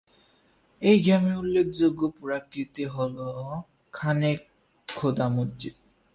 এই গ্রামের উল্লেখযোগ্য পুরাকীর্তি হল খানে খোদা মসজিদ।